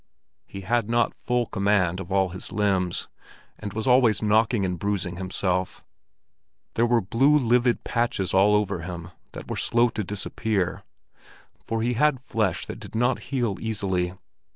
He had not full command of all his limbs, and was always knocking and bruising himself; there were blue, livid patches all over him that were slow to disappear, for he had flesh that did not heal easily.